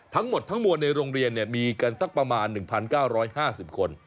ทั้งหมดทั้งมวลในโรงเรียนมีกันสักประมาณ๑๙๕๐คน